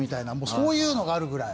そういうのがあるくらい。